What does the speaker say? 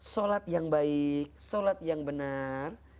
sholat yang baik sholat yang benar